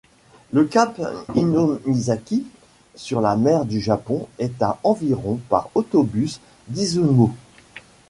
Le cap Hinomisaki sur la mer du Japon est à environ par autobus d'Izumo.